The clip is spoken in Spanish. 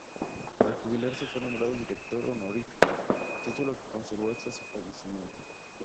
Al jubilarse fue nombrado director honorífico, título que conservó hasta su fallecimiento.